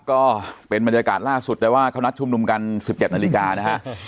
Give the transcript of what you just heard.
ก็เป็นบรรยากาศล่าสุดแต่ว่าเขานัดชุมนุมกัน๑๗นาฬิกานะฮะ